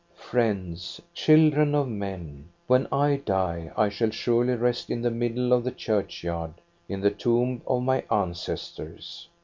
Friends, children of men. when I die I shall surely rest in the middle of the churchyard, in the tomb of my ancestors.